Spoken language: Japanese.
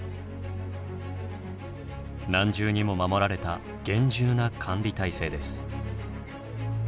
何重にも守られた厳重な管理体制です。